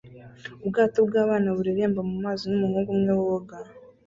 Ubwato bw'abana bureremba mu mazi n'umuhungu umwe woga